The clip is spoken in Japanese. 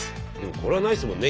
これはないですもんね